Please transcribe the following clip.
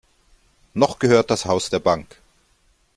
Noch gehört das Haus der Bank.